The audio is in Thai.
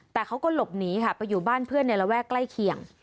แต่เขาก็หลบหนีค่ะไปอยู่บ้านเพื่อนในระแวกใกล้เคียง